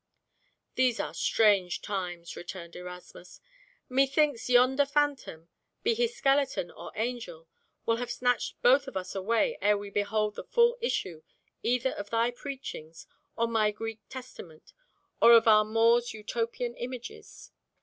"These are strange times," returned Erasmus. "Methinks yonder phantom, be he skeleton or angel, will have snatched both of us away ere we behold the full issue either of thy preachings, or my Greek Testament, or of our More's Utopian images.